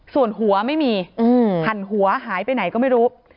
ส่วนหัวไม่มีหั่นหัวหายไปไหนก็ไม่รู้